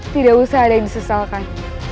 tidak usah ada yang disesalkan